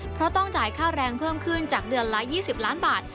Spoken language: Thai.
เพราะต้องจ่ายค่าแรงเพิ่มขึ้นจากเดือนละ๒๐ล้านบาท